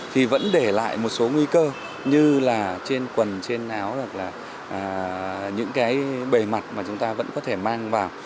thì vẫn để lại một số nguy cơ như là trên quần trên áo hoặc là những cái bề mặt mà chúng ta vẫn có thể mang vào